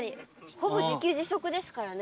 ほぼ自給自足ですからね。